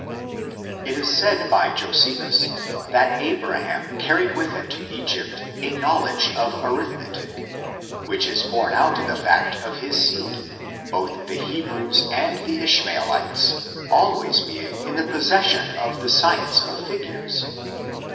It is said by Josephus, that Abraham carried with him to Egypt a knowledge of arithmetic ; which it borne out in the fact of his seed, both the Hebrews and the IshmaeUtes, always being in the possession of the science of figures.